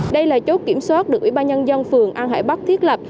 đây là chốt kiểm soát được ủy ban nhân dân phường an hải bắc thiết lập